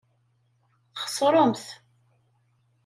Txeṣremt.